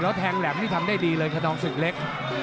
แล้วแทงแหลมนี่ทำได้ดีเลยขนองศึกเล็ก